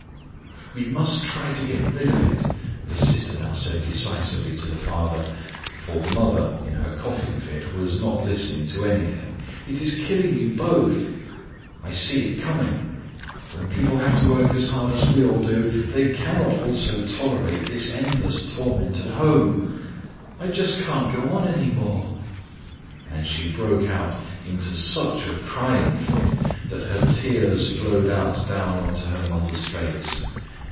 "We must try to get rid of it," the sister now said decisively to the father, for the mother, in her coughing fit, was not listening to anything. "It is killing you both. I see it coming. When people have to work as hard as we all do, they cannot also tolerate this endless torment at home. I just can't go on any more." And she broke out into such a crying fit that her tears flowed out down onto her mother's face.